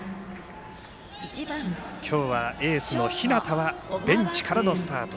今日はエースの日當はベンチからのスタート。